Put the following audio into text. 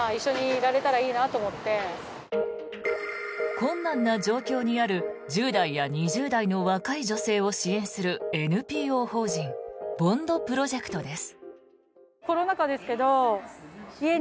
困難な状況にある１０代や２０代の若い女性を支援するＮＰＯ法人ＢＯＮＤプロジェクトです。